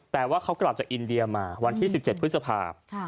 แต่ว่าเขากลับจากอินเดียมาวันที่๑๗พฤษภาพ